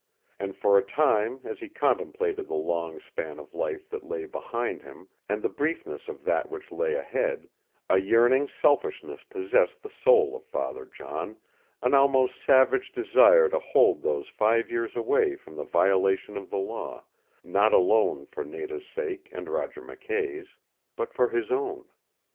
And for a time as he contemplated the long span of life that lay behind him, and the briefness of that which lay ahead, a yearning selfishness possessed the soul of Father John, an almost savage desire to hold those five years away from the violation of the law not alone for Nada's sake and Roger McKay's but for his own.